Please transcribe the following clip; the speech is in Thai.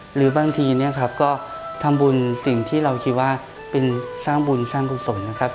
หรือบางทีเนี่ยครับก็ทำบุญสิ่งที่เราคิดว่าเป็นสร้างบุญสร้างกุศลนะครับ